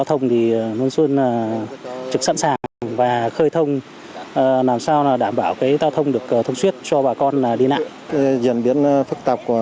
thì nguyễn xuân trực sẵn sàng và khơi thông làm sao đảm bảo giao thông được thông suyết cho bà con đi lại